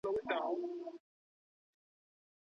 ايا ځينې فاميلونه د واده وس لري؟